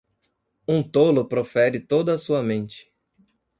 Um tolo profere toda a sua mente.